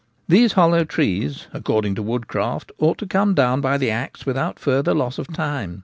These hollow trees, according to woodcraft, ought to come down by the axe without further loss of time.